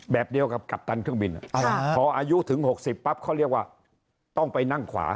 แบบเดียวกับกัปตันเครื่องบินพออายุถึง๖๐ปั๊บเขาเรียกว่าต้องไปนั่งขวา